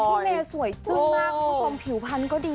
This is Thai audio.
พี่เมย์สวยจึงมากผู้สมผิวพันก็ดี